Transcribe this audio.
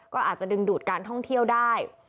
ก็อาจจะดึงดูดการท่องเที่ยวได้